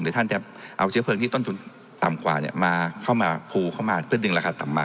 ท่านจะเอาเชื้อเพลิงที่ต้นทุนต่ำกว่าเข้ามาภูเข้ามาเพื่อดึงราคาต่ำมา